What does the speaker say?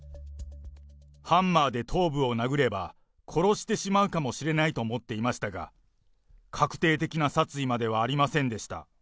ハンマーで頭部を殴れば、殺してしまうかもしれないと思っていましたが、確定的な殺意まではありませんでした。